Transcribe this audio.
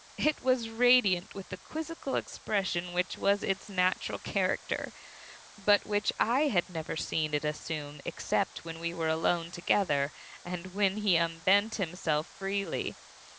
It was radiant with the quizzical expression which was its natural character, but which I had never seen it assume except when we were alone together, and when he unbent himself freely.